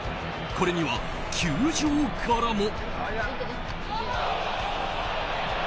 これには球場からも。